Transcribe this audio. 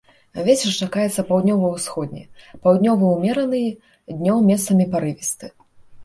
Вецер чакаецца паўднёва-ўсходні, паўднёвы ўмераны, днём месцамі парывісты.